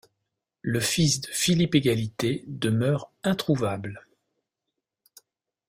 Le fils de Philippe-Égalité demeure introuvable.